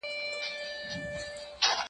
زه اوږده وخت د سبا لپاره د يادښتونه ترتيب کوم!.